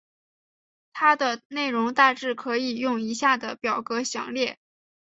它的内容大致可以用以下的表格详列。